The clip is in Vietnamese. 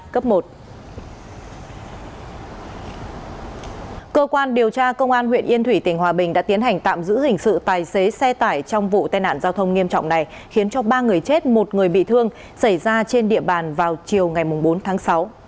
cơ quan điều tra công an huyện yên thủy tỉnh hòa bình đã tiến hành tạm giữ hình sự tài xế xe tải trong vụ tai nạn giao thông nghiêm trọng này khiến cho ba người chết một người bị thương xảy ra trên địa bàn vào chiều ngày bốn tháng sáu